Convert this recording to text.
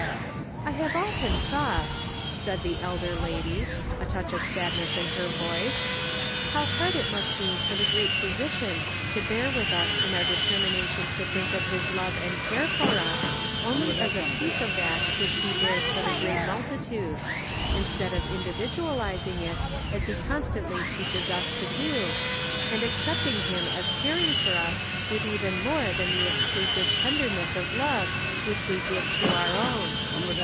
" I have often thought," said the elder lady, a touch of sadness in her voice, " how hard it must be for the Great Physician to bear with us in our determination to think of his love and care for us as only a piece of that which he bears for the great multitude, instead of individualizing it as he constantly teaches us to do, arid accepting him as caring for us with even more than the exclusive tenderness of 368 The Pocket Measure. love which we give to our own.